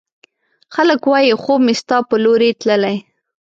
خلګ وايي، خوب مې ستا په لورې تللی